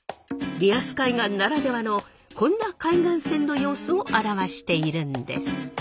リアス海岸ならではのこんな海岸線の様子を表しているんです。